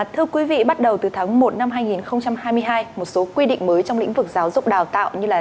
thưa quý vị bắt đầu từ tháng một năm hai nghìn hai mươi hai một số quy định mới trong lĩnh vực giáo dục đào tạo như là